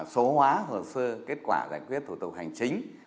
số hóa hồ sơ kết quả giải quyết thủ tục hành chính